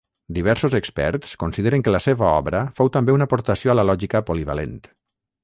Diversos experts consideren que la seva obra fou també una aportació a la lògica polivalent.